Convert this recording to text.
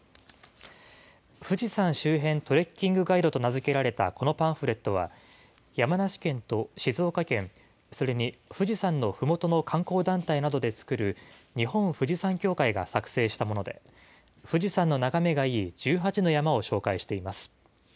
富士山周辺トレッキングガイドと名付けられたこのパンフレットは、山梨県と静岡県、それに富士山のふもとの観光団体などで作る日本富士山協会が作成したもので、富士山の眺めがいい１８の山を紹介しています。